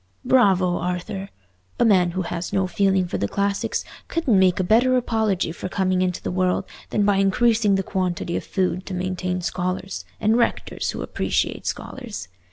"Bravo, Arthur! A man who has no feeling for the classics couldn't make a better apology for coming into the world than by increasing the quantity of food to maintain scholars—and rectors who appreciate scholars.